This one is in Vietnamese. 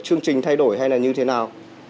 chương trình thay đổi hay là như thế nào